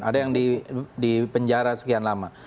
ada yang dipenjara sekian lama